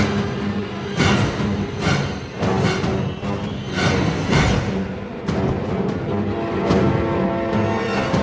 มันต้องกลับไปที่นี่